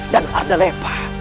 dan arda lepa